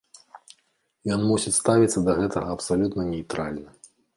Ён мусіць ставіцца да гэтага абсалютна нейтральна.